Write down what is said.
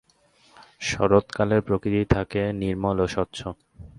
শরৎকালের প্রকৃতি থাকে নির্মল ও স্বচ্ছ।